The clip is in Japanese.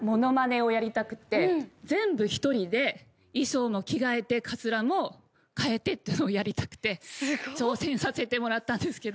全部１人で衣装も着替えてカツラも替えてってやりたくて挑戦させてもらったんですけど。